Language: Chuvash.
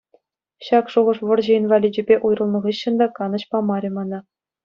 Ҫак шухӑш вӑрҫӑ инваличӗпе уйрӑлнӑ хыҫҫӑн та канӑҫ памарӗ мана.